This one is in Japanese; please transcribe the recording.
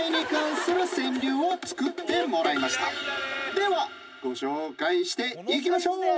ではご紹介していきましょう！